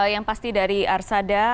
yang pasti dari arsada